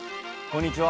こんにちは。